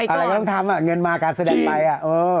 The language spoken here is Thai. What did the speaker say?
อะไรก็ต้องทำอ่ะเงินมาการแสดงไปอ่ะเออ